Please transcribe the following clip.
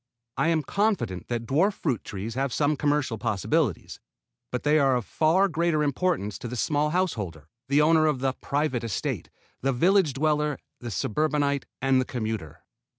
I am confident that dwarf fruit trees have some commercial possibilities, but they are of far greater importance to the small householder, the owner of the private "estate," the village dweller, the suburbanite and the commuter.